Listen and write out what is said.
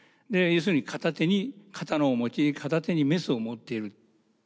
要するに片手に刀を用い片手にメスを持っている。